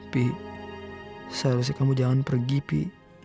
pi selesai kamu jangan pergi pi